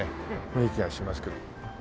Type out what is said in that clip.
雰囲気がしますけど。